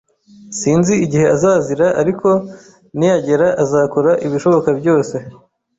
Sinzi igihe azazira, ariko niyagera, azakora ibishoboka byose.